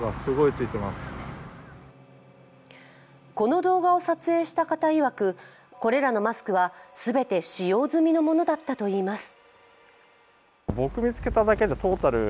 この動画を撮影した方いわくこれらのマスクは全て使用済みのものだったといいます。